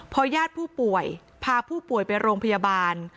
พอญาติผู้ป่วยพาผู้ป่วยไปโรงพยาบาล